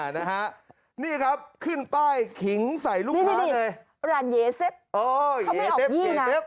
นะฮะนี่ครับขึ้นป้ายหิ่งใส่ลูกพ้าเลยนร่านเยเซฟเขาไม่ออกยี่นะ